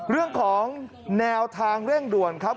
เรื่องของแนวทางเร่งด่วนครับ